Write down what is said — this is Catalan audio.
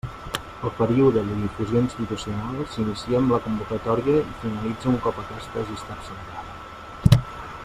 El període de difusió institucional s'inicia amb la convocatòria i finalitza un cop aquesta hagi estat celebrada.